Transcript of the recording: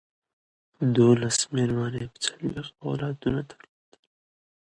ده اوولس مېرمنې او یو څلویښت اولادونه درلودل.